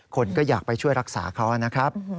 คนก็อยากไปช่วยรักษาเขานะครับ